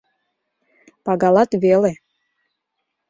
Пагалат веле.